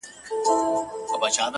د انسان مخ د خداى له نوره دئ.